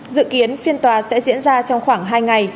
dự kiến phiên tòa sẽ diễn ra trong khoảng hai ngày